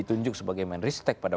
ditunjuk sebagai menristek pada